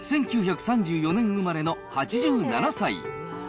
１９３４年生まれの８７歳。